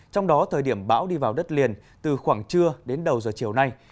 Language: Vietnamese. trong đó thời điểm bão đi vào đất liền từ khoảng trưa đến đầu giờ chiều nay